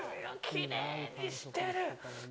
きれいにしてる。